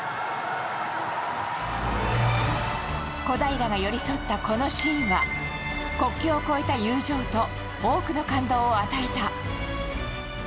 小平が寄り添ったこのシーンは国境を越えた友情と多くの感動を与えた。